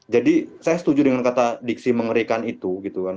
jadi saya setuju dengan kata diksi mengerikan itu gitu kan